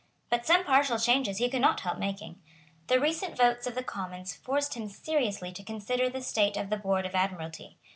But some partial changes he could not help making. The recent votes of the Commons forced him seriously to consider the state of the Board of Admiralty.